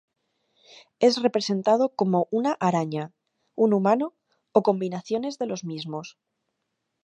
Es representado como una araña, un humano o combinaciones de los mismos.